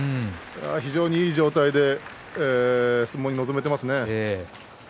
非常にいい状態で相撲に臨めていますね。